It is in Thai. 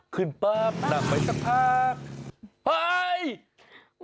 ขึ้นปั๊บนั่งไปสักพัก